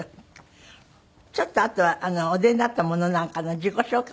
ちょっとあとはお出になったものなんかの自己紹介